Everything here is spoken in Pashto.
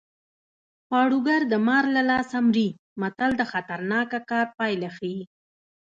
پاړوګر د مار له لاسه مري متل د خطرناک کار پایله ښيي